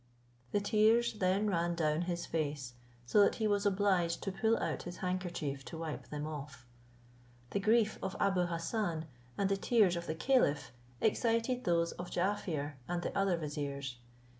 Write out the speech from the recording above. The tears then ran down his face, so that he was obliged to pull out his handkerchief to wipe them off. The grief of Abou Hassan, and the tears of the caliph, excited those of Jaaffier and the other viziers.